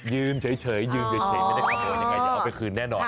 ยืมเฉยยืมเฉยไม่ได้ขโมยเอาไปคืนแน่นอน